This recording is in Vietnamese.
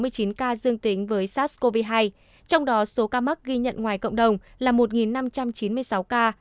ba tám trăm sáu mươi chín ca dương tính với sars cov hai trong đó số ca mắc ghi nhận ngoài cộng đồng là một năm trăm chín mươi sáu ca